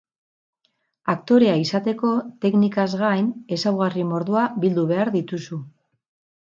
Aktorea izateko, teknikaz gain, ezaugarri mordoa bildu behar dituzu.